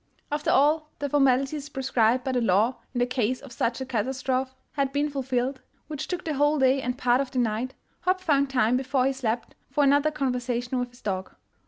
After all the formalities prescribed by the law in the case of such a catastrophe had been fulfilled, which took the whole day and part of the night, Hopp found time before he slept for another conversation with his dog.